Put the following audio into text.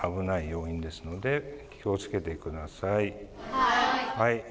はい。